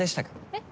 えっ？